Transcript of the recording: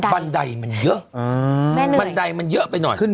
บันไดมันเยอะไปหน่อย